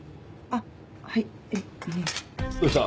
どうした？